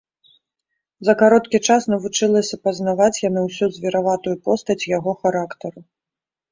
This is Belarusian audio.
За кароткі час навучылася пазнаваць яна ўсю звераватую простасць яго характару.